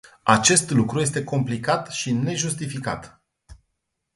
Acest lucru este complicat și nejustificat.